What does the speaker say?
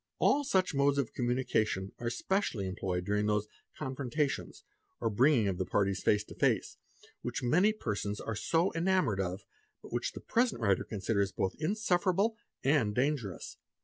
All such modes of communication are specially employed during those 'confrontations,' or bringing of the parties face to face, which many persons are so enamoured of, but which the present writer considers both insufferable and dangerous.